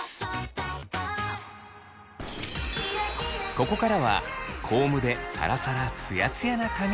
ここからはコームでサラサラツヤツヤな髪になるテク。